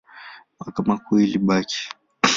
Mahakama Kuu ilibaki.